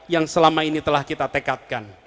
yang selama ini telah kita tekadkan